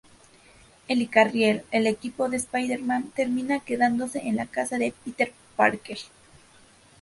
Helicarrier, el equipo de Spider-Man termina quedándose en la casa de Peter Parker.